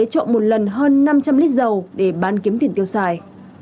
trộm một lần hơn năm trăm linh lít dầu để bán kiếm tiền tiêu xài